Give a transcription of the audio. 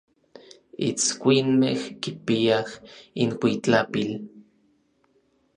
Itskuinmej kipiaj inkuitlapil.